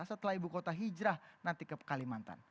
setelah ibu kota hijrah nanti ke kalimantan